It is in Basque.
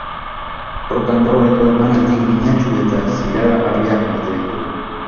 Rock-and-rolleko emanaldi grinatsu eta zirraragarriak maite ditugu.